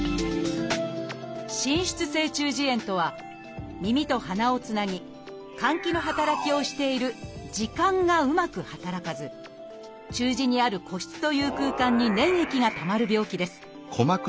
「滲出性中耳炎」とは耳と鼻をつなぎ換気の働きをしている「耳管」がうまく働かず中耳にある「鼓室」という空間に粘液がたまる病気です。